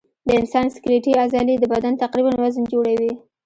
د انسان سکلیټي عضلې د بدن تقریباً وزن جوړوي.